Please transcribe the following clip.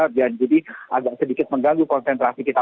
dan jadi agak sedikit mengganggu konsentrasi kita